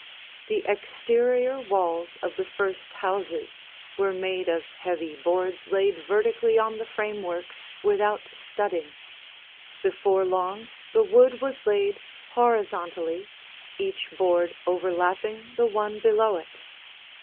The exterior walls of the first houses were made of heavy boards laid vertically on the framework, without studding. Before long, the wood was laid horizontally, each board overlapping the one below it.